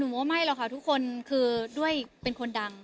ว่าไม่หรอกค่ะทุกคนคือด้วยเป็นคนดัง